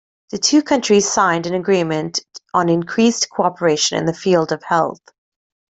The two countries signed an agreement on increased cooperation in the field of health.